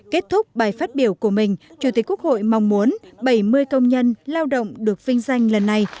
kết thúc bài phát biểu của mình chủ tịch quốc hội mong muốn bảy mươi công nhân lao động được vinh danh lần này